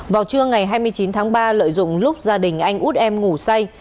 vào trưa ngày hai mươi chín tháng ba lợi dụng lúc gia đình anh út em ngủ say